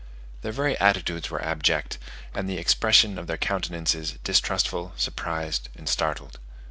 Their very attitudes were abject, and the expression of their countenances distrustful, surprised, and startled.